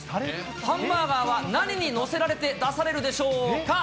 ハンバーガーは何に載せられて出されるでしょうか。